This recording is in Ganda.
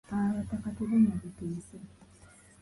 Abataka tebanywa guteese.